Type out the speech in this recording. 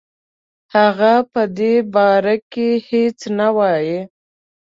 هغه په دې باره کې هیڅ نه وايي.